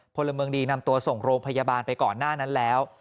พลเมืองดีนำตัวส่งโรงพยาบาลไปก่อนหน้านั้นแล้ว